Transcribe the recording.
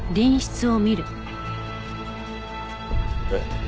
えっ？